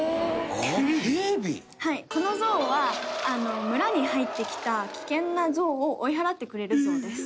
このゾウは村に入ってきた危険なゾウを追い払ってくれるゾウです。